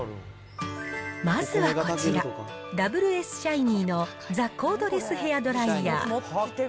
まずはこちら、ダブルエスシャイニーのザ・コードレス・ヘアドライヤー。